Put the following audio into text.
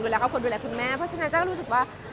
ดูแลครอบครัวดูแลคุณแม่เพราะฉะนั้นจะรู้สึกว่า